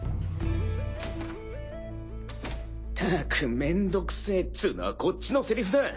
ったくめんどくせえっつうのはこっちのセリフだ。